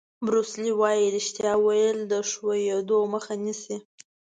بروس لي وایي ریښتیا ویل د ښویېدو مخه نیسي.